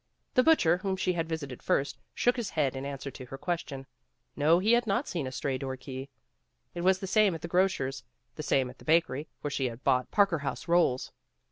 The butcher, whom she had visited first, shook his head in answer to her question. No, he had not seen a stray door key. It was the same at the gro .cer's, the same at the bakery where she had bought Parker house rolls.